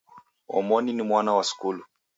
Omoni ni mwana wa skulu.